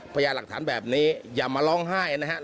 พยายามหลักฐานแบบนี้อย่ามาร้องไห้นะครับ